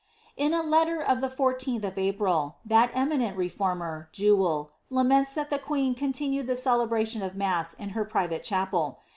In a letter of the 14th of April, that eminent reformer. Jewel, laments, that the queen continued the celebration of mass in her private chapel.